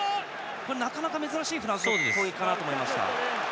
なかなか珍しいフランスの攻撃かなと思いました。